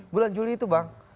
bulan juli itu bang